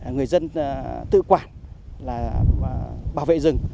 người dân tự quản bảo vệ rừng